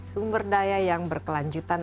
sumber daya yang berkelanjutan